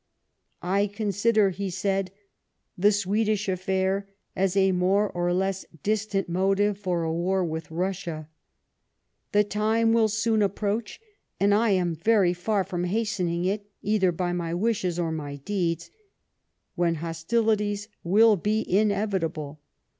" I consider," he said, " the Swedish aifair as a more or less distant motive for a war with Kussia. ... The time will soon approach — and I am very far from hastening it eitlier by my wishes or my deeds — when hostilities will be inevitable.